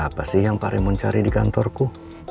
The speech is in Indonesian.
apa sih yang pak remon cari di kantorku